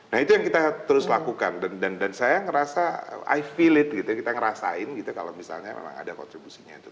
nah itu yang kita terus lakukan dan saya ngerasa illet gitu kita ngerasain gitu kalau misalnya memang ada kontribusinya itu